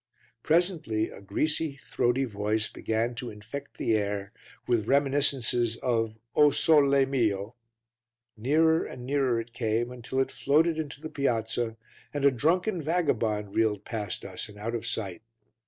Presently a greasy, throaty voice began to infect the air with reminiscences of O Sole Mio! Nearer and nearer it came until it floated into the piazza and a drunken vagabond reeled past us and out of sight.